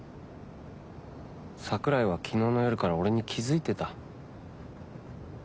桜井は昨日の夜から俺に気づいてた。